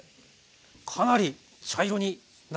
かなり茶色になってますね。